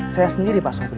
saya sendiri pak sobri